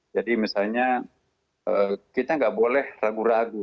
jadi misalnya kita tidak boleh ragu ragu